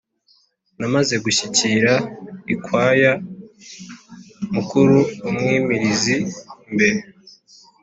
namaze gushyikira inkwaya, mukura umwimilizi imbere,